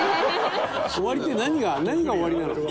「終わり」って何が何が終わりなの？